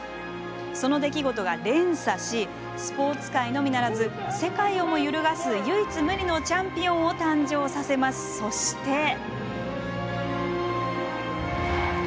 その出来事が連鎖しスポーツ界のみならず世界をも揺るがす唯一無二のチャンピオンを誕生させ、そして。